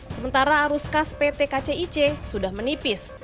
sementara arus kas pt kcic sudah menipis